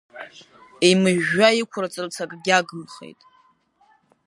Еимыжәжәа иқәырҵарц акгьы аагымхеит.